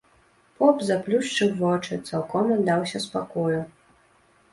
Поп заплюшчыў вочы, цалком аддаўся спакою.